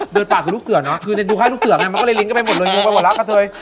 เดินป่าคือลูกเสือเนอะคือในดูค่าลูกเสือมันก็เลยลิ้งกันไปหมดเลย